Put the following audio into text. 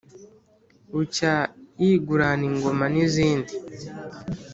bucya yigurana ingoma nizindi